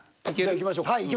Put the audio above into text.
いきましょうか。